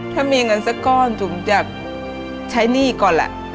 ถ้ามีเงินสักก้อนตุ๋มจะใช้หนี้ก่อนแหละ